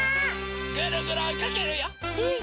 ぐるぐるおいかけるよ！